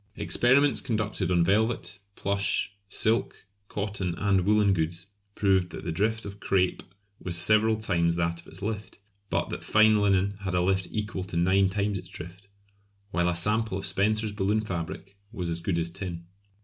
Experiments conducted on velvet, plush, silk, cotton and woollen goods proved that the drift of crape was several times that of its lift, but that fine linen had a lift equal to nine times its drift; while a sample of Spencer's balloon fabric was as good as tin.